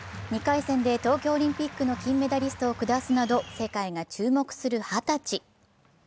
２回戦で東京オリンピックの金メダリストを下すなど、世界が注目する２０歳。